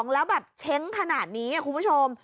แล้วแบบเช้งขนาดนี้คุณผู้ชม